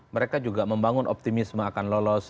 mereka juga membangun optimisme akan lolos